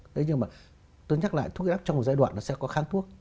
tôi nhắc lại thuốc áp trong một giai đoạn nó sẽ có kháng thuốc